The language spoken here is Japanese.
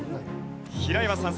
平岩さん